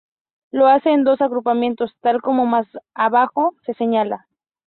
Lo hace en dos agrupamientos tal como más abajo se señala.